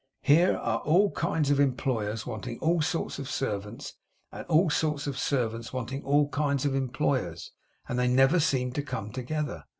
Here are all kinds of employers wanting all sorts of servants, and all sorts of servants wanting all kinds of employers, and they never seem to come together.